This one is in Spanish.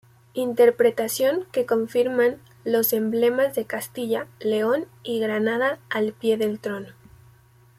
Interpretación que confirman los emblemas de Castilla, León y Granada al pie del trono.